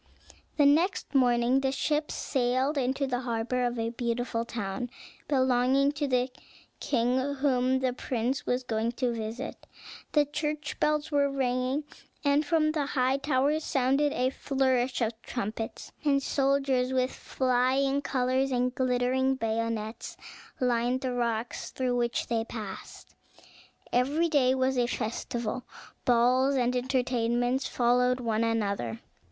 The next morning the ship sailed into the harbor of a beautiful town belonging to the king whom the prince was going to visit. The church bells were ringing, and from the high towers sounded a flourish of trumpets; and soldiers, with flying colors and glittering bayonets, lined the rocks through which they passed. Every day was a festival; balls and entertainments followed one another.